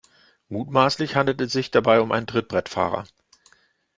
Mutmaßlich handelt es sich dabei um einen Trittbrettfahrer.